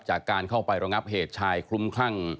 จากการเข้าไประงับเหตุชายคลุ้มคลั่ง